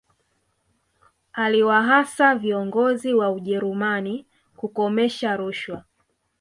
aliwahasa viongozi wa ujerumani kukomesha rushwa